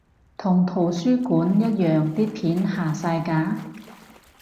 同圖書館一樣啲片下晒架？